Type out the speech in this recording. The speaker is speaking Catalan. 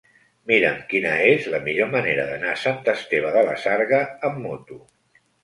Mira'm quina és la millor manera d'anar a Sant Esteve de la Sarga amb moto.